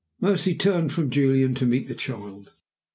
Mercy turned from Julian to meet the child.